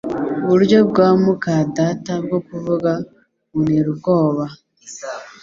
Uburyo bwa muka data bwo kuvuga buntera ubwoba